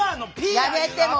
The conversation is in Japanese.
やめてもう！